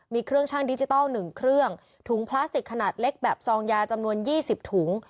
มีเครื่องชั่งดิจิทัล๑เครื่องถุงพลาสติกขนาดเล็กแบบซองยาจำนวน๒๐ถุง